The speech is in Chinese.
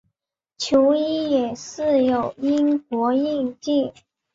球衣也具有英国印记。